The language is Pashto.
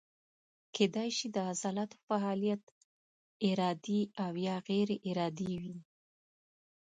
کیدای شي د عضلاتو فعالیت ارادي او یا غیر ارادي وي.